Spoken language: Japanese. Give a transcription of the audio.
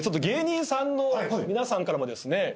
芸人さんの皆さんからもですね